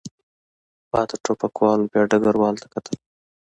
پاتې ټوپکوالو بیا ډګروال ته کتل.